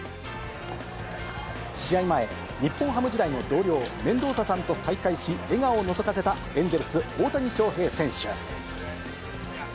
試合前、日本ハム時代の同僚、メンドーサさんと再会し、笑顔をのぞかせたエンゼルス、大谷翔平選手。